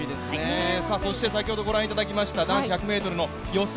そして先ほどご覧いただきました男子１００ｍの予選